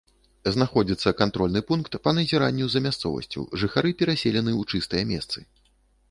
Знаходзіцца кантрольны пункт па назіранню за мясцовасцю, жыхары пераселены ў чыстыя месцы.